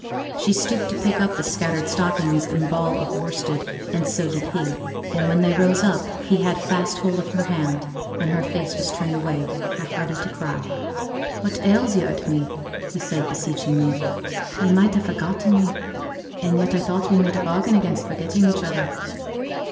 She stooped to pick up the scattered stockings and ball of worsted, and so did he; and when they rose up, he had fast hold of her hand, and her face was turned away, half ready to cry. 'What ails yo' at me?' said he, beseechingly. 'Yo' might ha' forgotten me; and yet I thought we made a bargain against forgetting each other.'